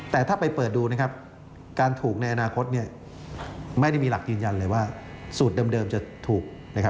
แต่ถ้าไปเปิดดูนะครับการถูกในอนาคตไม่ได้มีหลักยืนยันเลยว่าสูตรเดิมจะถูกนะครับ